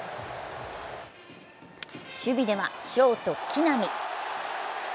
守備ではショート・木浪。